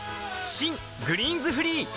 新「グリーンズフリー」